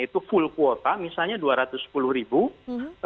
itu full kuota misalnya rp dua ratus sepuluh